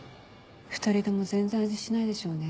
２人とも全然味しないでしょうね。